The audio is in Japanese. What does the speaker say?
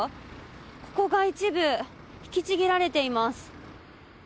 ここが一部引きちぎられています。